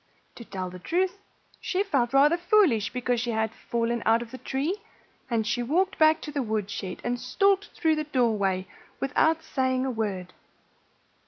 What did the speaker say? To tell the truth, she felt rather foolish because she had fallen out of the tree. And she walked back to the woodshed and stalked through the doorway without saying a word.